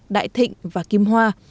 đại thịnh và kim hoa